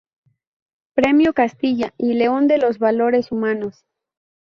Premio Castilla y León de los Valores Humanos